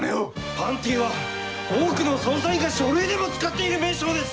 「パンティ」は多くの捜査員が書類でも使っている名称です！